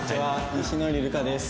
西野入流佳です。